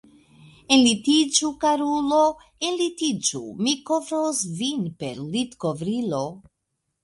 Enlitiĝu, karulo, enlitiĝu, mi kovros vin per litkovrilo.